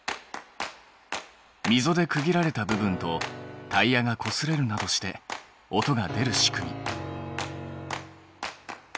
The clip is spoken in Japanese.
みぞで区切られた部分とタイヤがこすれるなどして音が出る仕組み。